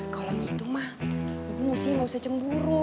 kalau gitu mah ibu sih nggak usah cemburu